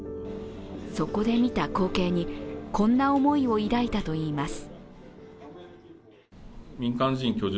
そこで見た光景にこんな思いを抱いたといいます。